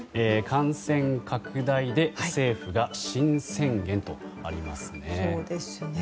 感染拡大で政府が新宣言とありますね。